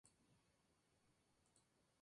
Ella pide a los gánsteres el favor de perdonarlo.